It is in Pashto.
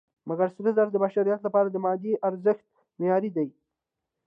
مګر سره زر د بشریت لپاره د مادي ارزښت معیار دی.